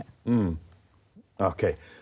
อืมโอเค